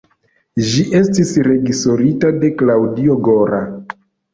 Ĝi estis reĝisorita de Claudio Gora.